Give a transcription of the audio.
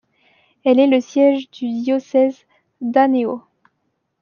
Elle est le siège du diocèse d'Aného.